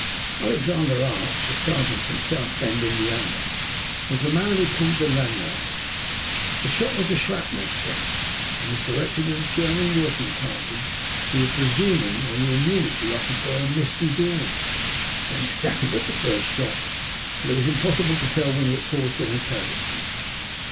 Alexander Arch, a sergeant from South Bend, Indiana, was the man who pulled the lanyard. The shot was a shrapnel shell and was directed at a German working party who were presuming on the immunity offered by a misty dawn. They scattered at the first shot, but it was impossible to tell whether it caused any casualties.